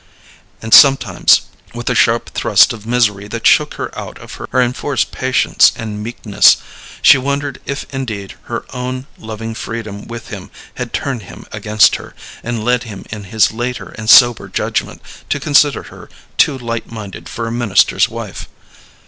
And sometimes, with a sharp thrust of misery that shook her out of her enforced patience and meekness, she wondered if indeed her own loving freedom with him had turned him against her, and led him in his later and sober judgment to consider her too light minded for a minister's wife.